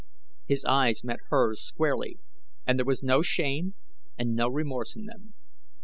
His eyes met hers squarely and there was no shame and no remorse in them.